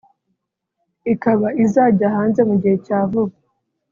ikaba izajya hanze mu gihe cya vuba